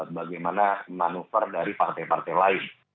bagaimana manuver dari partai partai lain